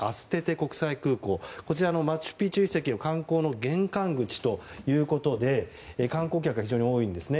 国際空港マチュピチュ遺跡の観光の玄関口ということで観光客が非常に多いんですね。